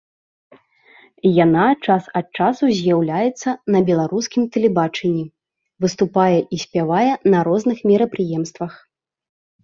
Яна час ад часу з'яўляецца на беларускім тэлебачанні, выступае і спявае на розных мерапрыемствах.